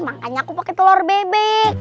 makanya aku pakai telur bebek